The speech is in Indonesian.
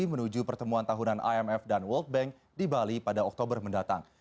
menuju pertemuan tahunan imf dan world bank di bali pada oktober mendatang